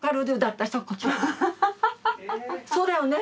そうだよね。